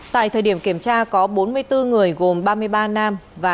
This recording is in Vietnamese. tại thời điểm kiểm tra có bốn mươi bốn người gồm ba mươi ba nam và